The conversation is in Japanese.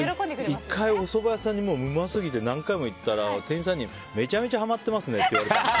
１回、おそば屋さんにうますぎて何回も行ったら店員さんにめちゃめちゃはまってますねって言われて。